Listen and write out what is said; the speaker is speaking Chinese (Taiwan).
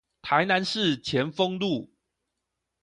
台南市前鋒路